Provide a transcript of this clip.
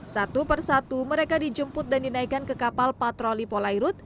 satu persatu mereka dijemput dan dinaikkan ke kapal patroli polairut